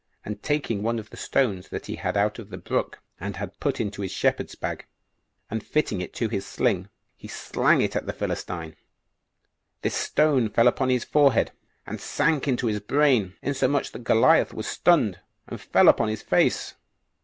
And taking one of the stones that he had out of the brook, and had put into his shepherd's bag, and fitting it to his sling, he slang it against the Philistine. This stone fell upon his forehead, and sank into his brain, insomuch that Goliath was stunned, and fell upon his face.